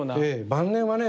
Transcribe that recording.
晩年はね